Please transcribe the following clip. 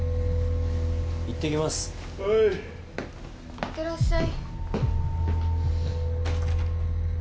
いってらっしゃい。